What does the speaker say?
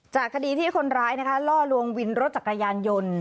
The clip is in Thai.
คดีที่คนร้ายล่อลวงวินรถจักรยานยนต์